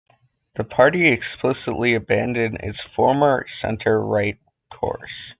The party explicitly abandoned its former center-right course.